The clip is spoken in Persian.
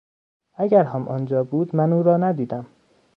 اگر هم آنجا بود من او را ندیدم.